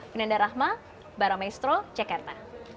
binanda rahma baro maestro cekerta